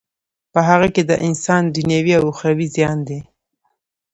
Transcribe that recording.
په هغه کی د انسان دینوی او اخروی زیان دی.